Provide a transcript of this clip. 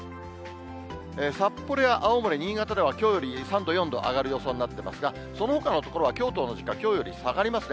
札幌や青森、新潟ではきょうより３度、４度上がる予想になってますが、そのほかの所はきょうと同じか、きょうより下がりますね。